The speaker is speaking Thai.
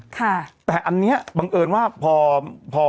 ค่ะแต่อันนี้บังเอิญว่าพอพอ